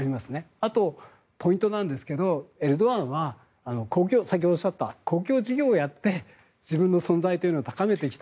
あと、ポイントなんですがエルドアンは先ほどおっしゃった公共事業をやって自分の存在というものを高めてきた。